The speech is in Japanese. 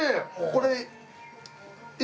これ。